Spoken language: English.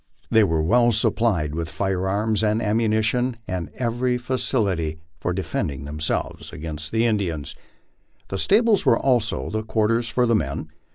They were well supplied with firearms and ammunition, and every facility for de fending themselves against Indians. The stables were also the quarters for the men.